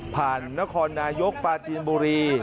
ผ่านนครนายกปราจีนบุรี